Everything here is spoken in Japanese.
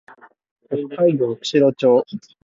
北海道釧路町